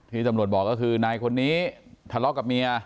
ที่ตำรวจบอกก็คือนายคนนี้ทะเลาะกับเมีย